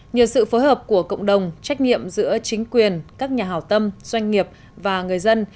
nhờ sự phối hợp của cộng đồng trách nhiệm giữa chính quyền các nhà hào tâm doanh nghiệp và người dân